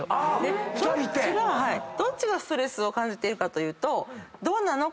どっちがストレスを感じているかというとどうなの？